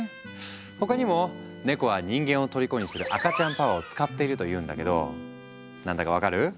他にもネコは人間をとりこにする赤ちゃんパワーを使っているというんだけど何だか分かる？